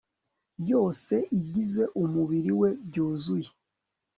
yose igize umubiri we byuzuye